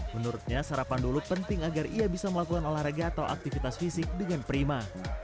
menurutnya sarapan dulu penting agar ia bisa melakukan olahraga atau aktivitas fisik dengan prima